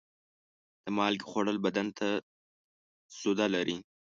د مالګې خوړل بدن ته سوده لري.